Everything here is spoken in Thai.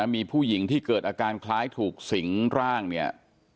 มีผู้หญิงที่เกิดอาการคล้ายถูกสิงร่างเนี่ย